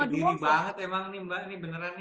wah kediri banget emang nih mbah ini beneran nih